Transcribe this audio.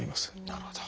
なるほど。